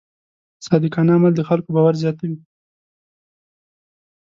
صادقانه عمل د خلکو باور زیاتوي.